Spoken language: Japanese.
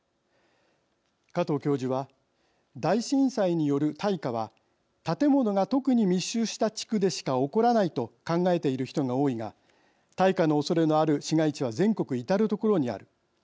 加藤教授は大震災による大火は建物が特に密集した地区でしか起こらないと考えている人が多いが大火のおそれのある市街地は全国至る所にある。